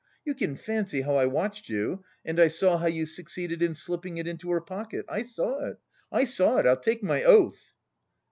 You can fancy how I watched you and I saw how you succeeded in slipping it into her pocket. I saw it, I saw it, I'll take my oath."